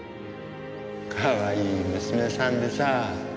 かわいい娘さんでさぁ。